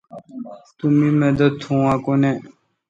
تو می مدد تھو اؘ کو نہ۔